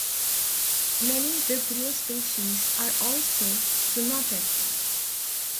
Many "Vibrio" species are also zoonotic.